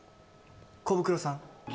コブクロさん。